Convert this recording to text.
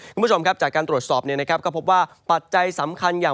คุณผู้ชมครับจากการตรวจสอบเนี่ยนะครับก็พบว่าปัจจัยสำคัญอย่าง